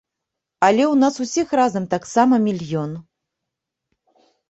Але ў нас усіх разам таксама мільён.